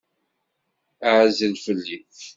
Ɛzel fell-i!